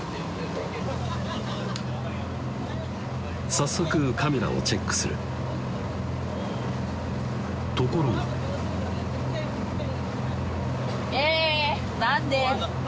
早速カメラをチェックするところがえ何で？